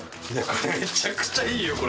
めちゃくちゃいいよこれ。